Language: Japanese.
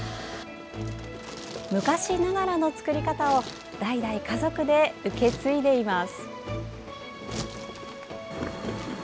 昔ながらの作り方を代々、家族で受け継いでいます。